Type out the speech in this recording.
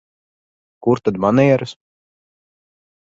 Kur tad manieres?